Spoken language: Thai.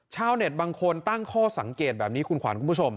ชาวเน็ตบางคนตั้งข้อสังเกตแบบนี้คุณขวัญคุณผู้ชม